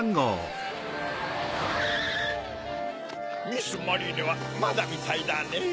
ミス・マリーネはまだみたいだねぇ。